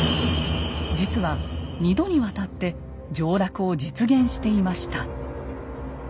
実は二度にわたって上洛を実現していました。